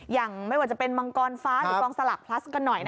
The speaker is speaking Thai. อย่างไม่ว่าจะเป็นมังกรฟ้าหรือกองสลักพลัสกันหน่อย